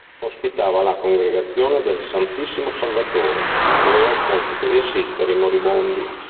Ospitava la congregazione del Santissimo Salvatore, che aveva il compito di assistere i moribondi.